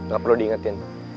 gak perlu diingetin